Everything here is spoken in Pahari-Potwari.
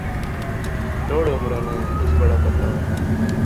چھوڑ عمرانے، اس بڑا پتہ